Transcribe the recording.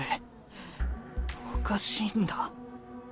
おかしいんだ。